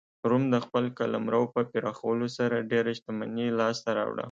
روم د خپل قلمرو په پراخولو سره ډېره شتمني لاسته راوړه